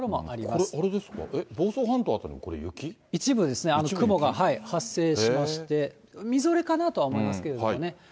これ、あれですか、一部ですね、雲が発生しまして、みぞれかなとは思いますけどもね。